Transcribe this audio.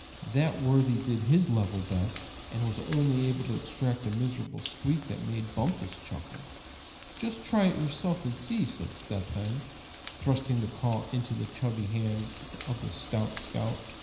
That worthy did his level best, and was only able to extract a miserable squeak that made Bumpus chuckle. "Just try it yourself, and see," said Step Hen, thrusting the call into the chubby hands of the stout scout.